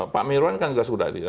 pak mirwan kan juga sudah